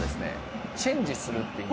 チェンジするっていう」